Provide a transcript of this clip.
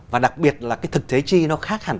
và đặc biệt là cái thực thế chi nó khác hẳn